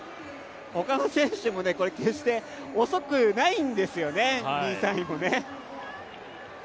他の選手も、決して遅くないんですよね、２位、３位もね。